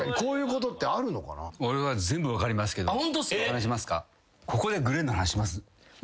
話しますか？